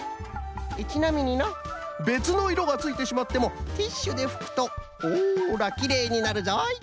ちなみになべつのいろがついてしまってもティッシュでふくとほらきれいになるぞい。